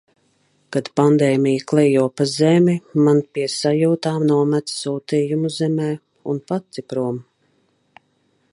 Kad pandēmija klejo pa zemi, man pie sajūtām nomet sūtījumu zemē un pati prom.